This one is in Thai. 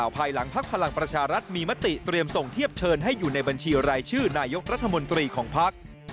ภายหลังพักพลังประชารัฐมีมติเตรียมส่งเทียบเชิญให้อยู่ในบัญชีรายชื่อนายกรัฐมนตรีของภักดิ์